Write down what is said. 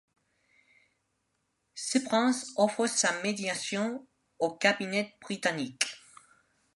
Ce prince offre sa médiation au cabinet britannique.